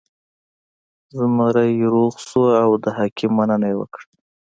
زمری روغ شو او د حکیم مننه یې وکړه.